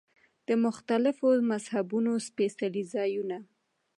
د مختلفو مذهبونو سپېڅلي ځایونه.